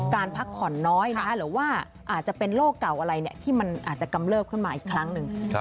พักผ่อนน้อยหรือว่าอาจจะเป็นโรคเก่าอะไรที่มันอาจจะกำเริบขึ้นมาอีกครั้งหนึ่ง